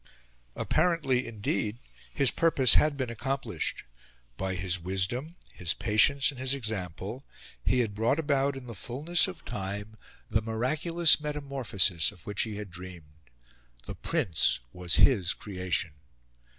Apparently, indeed, his "purpose" had been accomplished. By his wisdom, his patience, and his example he had brought about, in the fullness of time, the miraculous metamorphosis of which he had dreamed. The Prince was his creation.